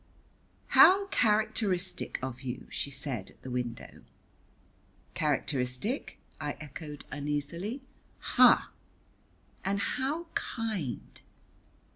"How characteristic of you," she said at the window. "Characteristic," I echoed uneasily. "Ha!" "And how kind."